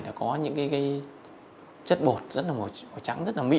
đã có những cái chất bột rất là màu trắng rất là mí